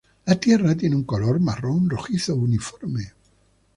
La tierra tiene un color marrón-rojizo uniforme.